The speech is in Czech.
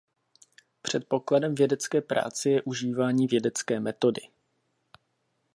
Předpokladem vědecké práce je užívání vědecké metody.